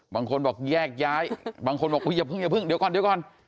บางคนบอกแยกย้ายบางคนบอกอย่าเพิ่งอย่าเพิ่งเดี๋ยวก่อนเดี๋ยวก่อน